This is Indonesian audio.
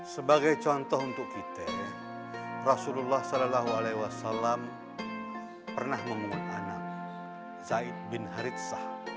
sebagai contoh untuk kita rasulullah saw pernah memohon anak zaid bin haritsah